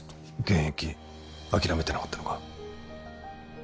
現役諦めてなかったのか？